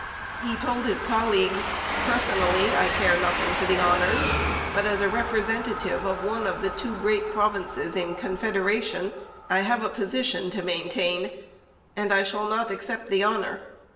He told his colleagues: 'Personally I care nothing for honours, but as a representative of one of the two great provinces in Confederation I have a position to maintain, and I shall not accept the honour.